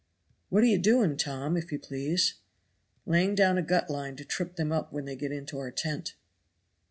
"What are you doing, Tom, if you please?" "Laying down a gut line to trip them up when they get into our tent."